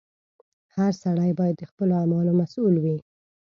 • هر سړی باید د خپلو اعمالو مسؤل وي.